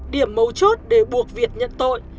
điểm mấu chốt để buộc việt nhận tội